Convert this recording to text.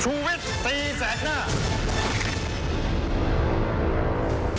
ชูเว็ดตีแสดหน้า